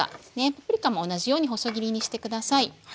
パプリカも同じように細切りにして下さい。